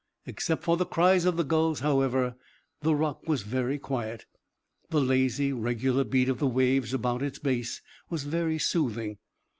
Except for the cries of the gulls, however, the rock was very quiet. The lazy regular beat of the waves about its base was very soothing.